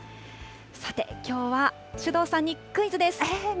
さて、きょうは首藤さんにクイズです。